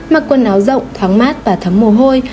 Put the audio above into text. mặc quần áo rộng thoáng mát và thấm mồ hôi